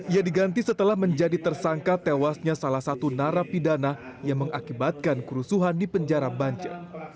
ia diganti setelah menjadi tersangka tewasnya salah satu narapidana yang mengakibatkan kerusuhan di penjara banjar